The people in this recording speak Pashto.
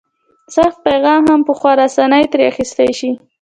سخت پیغام هم په خورا اسانۍ ترې اخیستی شي.